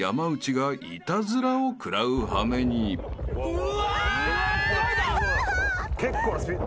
うわ！